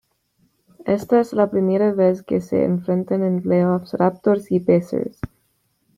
Esta es la primera vez que se enfrentan en playoffs Raptors y Pacers.